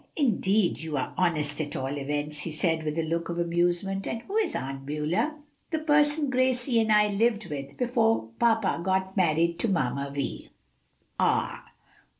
"Indeed! you are honest, at all events," he said, with a look of amusement. "And who is Aunt Beulah?" "The person Gracie and I lived with before papa got married to Mamma Vi." "Ah!